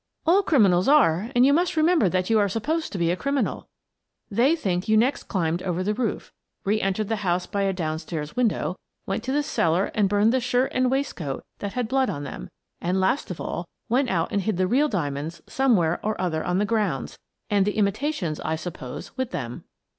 " All criminals are, and you must remember that you are supposed to be a criminal. They think that you next climbed over the roof; reentered the house by a down stairs window; went to the cellar and burned the shirt and waistcoat that had blood on them, and, last of all, went out and hid the real diamonds somewhere or other on the grounds — and the imitations, I suppose, with them."